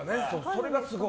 それがすごい。